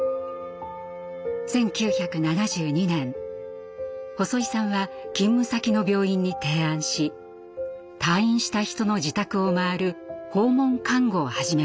１９７２年細井さんは勤務先の病院に提案し退院した人の自宅を回る訪問看護を始めました。